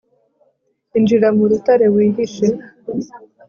injira mu rutare wihishe